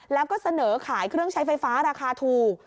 แล้วก็เสนอขายเครื่องใช้ไฟฟ้าราคาถูก